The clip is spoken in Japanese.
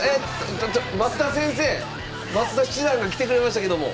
ちょ増田先生！増田七段が来てくれましたけども。